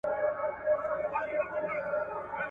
علمي تجربې په لابراتوارونو کي ترسره سوي دي.